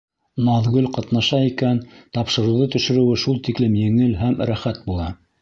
Наҙгөл ҡатнаша икән, тапшырыуҙы төшөрөүе шул тиклем еңел һәм рәхәт була.